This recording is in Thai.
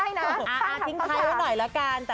เอาอีกทีเอาอีกทีเอาอีกที